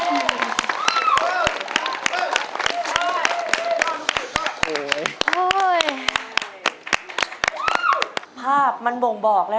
จดจำไว้ตลอดไปไม่ทิ้งกัน